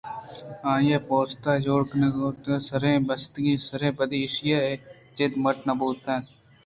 آئی ءِ پوست ءِ جوڑکُتگیں سرّین ءِ بستگیں سرّین بند ءُایشی ءِ جند مٹ نہ بوت اَنت